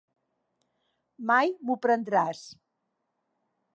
Mai m'ho prendràs!